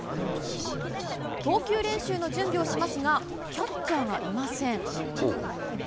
投球練習の準備をしますが、キャッチャーがいません。